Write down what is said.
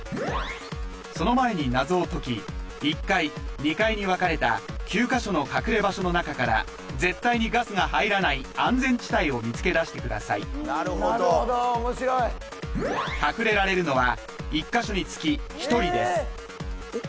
その前に謎を解き１階２階に分かれた９か所の隠れ場所の中から絶対にガスが入らない安全地帯を見つけだしてくださいなるほどー面白い隠れられるのは１か所につき１人です